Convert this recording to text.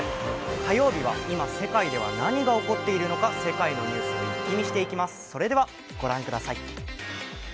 火曜日は今、世界で何が起こっているのか世界のニュースを一気見していきます、それでは御覧ください。